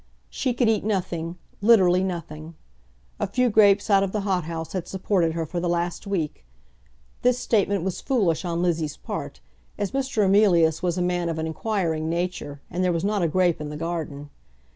She could eat nothing, literally nothing. A few grapes out of the hothouse had supported her for the last week. This statement was foolish on Lizzie's part, as Mr. Emilius was a man of an inquiring nature, and there was not a grape in the garden.